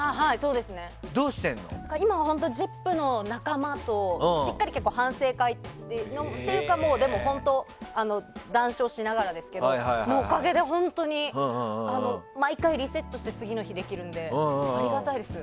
今は「ＺＩＰ！」の仲間としっかり反省会っていうか談笑しながらですけどそのおかげで本当に毎回リセットして次の日できるのでありがたいです。